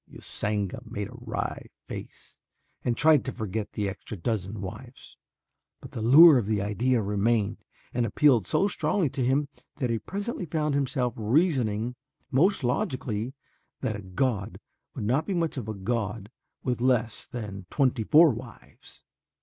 Usanga made a wry face and tried to forget the extra dozen wives, but the lure of the idea remained and appealed so strongly to him that he presently found himself reasoning most logically that a god would not be much of a god with less than twenty four wives.